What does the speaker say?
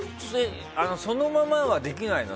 そのままはできないの？